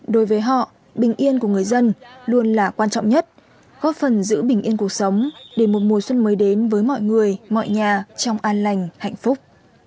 đối với họ bình yên của người dân luôn là quan trọng nhất góp phần giữ bình yên cuộc sống để một mùa xuân mới đến với mọi người mọi nhà trong an lành hạnh phúc